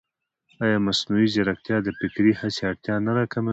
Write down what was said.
ایا مصنوعي ځیرکتیا د فکري هڅې اړتیا نه راکموي؟